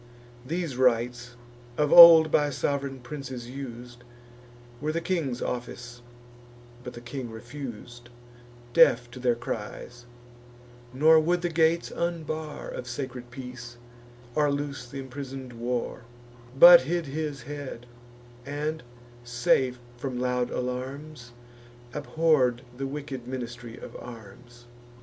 These rites, of old by sov'reign princes us'd, Were the king's office; but the king refus'd, Deaf to their cries, nor would the gates unbar Of sacred peace, or loose th' imprison'd war; But hid his head, and, safe from loud alarms, Abhorr'd the wicked ministry of arms.